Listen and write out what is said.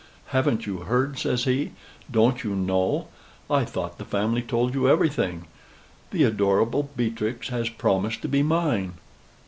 "Haven't you heard?" says he. "Don't you know? I thought the family told you everything: the adorable Beatrix hath promised to be mine."